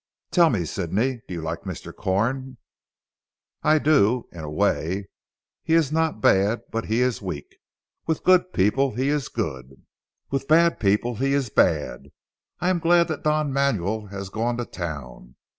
"Tell me Sidney. Do you like Mr. Corn?" "I do in a way. He is not bad, but he is weak. With good people he is good, with bad people he is bad. I am glad that Don Manuel has gone to Town.